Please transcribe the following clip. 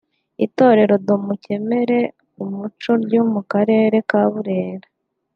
Itorero Dumokemere ku muco ryo mu Karere ka Burera